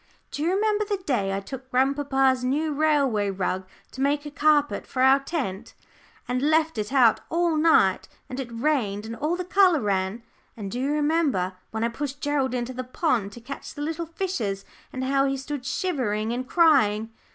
"Do you remember the day I took grandpapa's new railway rug to make a carpet to our tent, and left it out all night, and it rained and all the colour ran? And do you remember when I pushed Gerald into the pond to catch the little fishes, and how he stood shivering and crying?"